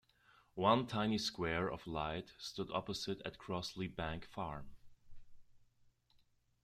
One tiny square of light stood opposite at Crossleigh Bank Farm.